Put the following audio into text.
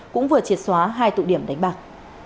cũng vừa triệt xóa hai tụ điểm đánh bạc